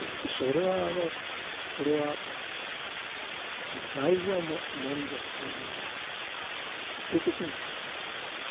それはあのこれは大事な問答というのはやっぱり徹底的になされるんですよね。